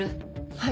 はい。